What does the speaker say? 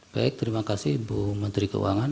baik terima kasih ibu menteri keuangan